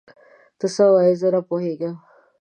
ته څه وايې؟ زه نه پوهيږم.